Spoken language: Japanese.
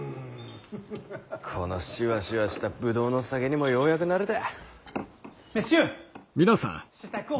このシワシワした葡萄の酒にもようやく慣れた。